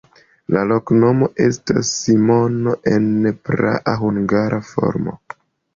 La loknomo estas Simono en praa hungara formo.